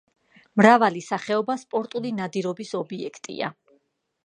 მრავალი სახეობა სპორტული ნადირობის ობიექტია.